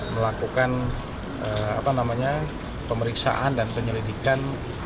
melakukan pemeriksaan dan penyelidikan